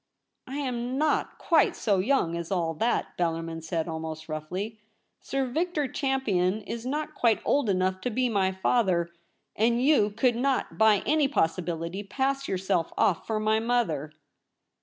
' I am not quite so young as all that,' Bellarmin said, almost roughly. ' Sir Victor Champion is not quite old enough to be my father — and you could not by any possibility pass yourself off for my mother.'